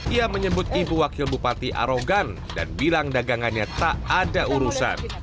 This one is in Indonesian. ia menyebut ibu wakil bupati arogan dan bilang dagangannya tak ada urusan